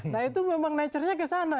nah itu memang naturenya kesana